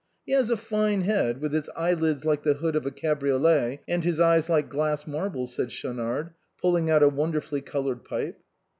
" He has a fine head, with his eyelids like the hood of a cabriolet, and his eyes like glass marbles," said Schau nard, pulling out a wonderfully colored pipe.